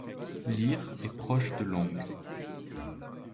L'ir est proche de l'ong.